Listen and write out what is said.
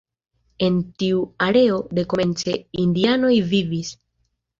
En tiu areo dekomence indianoj vivis.